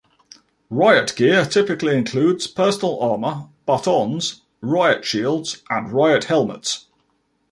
Riot gear typically includes personal armor, batons, riot shields and riot helmets.